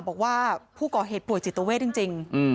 บอกว่าผู้ก่อเหตุป่วยจิตเวทจริง